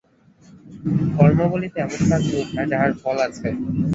কর্ম বলিতে এমন কাজ বুঝায়, যাহার ফল আছে।